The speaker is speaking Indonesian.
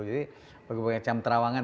jadi berbagai macam terawangan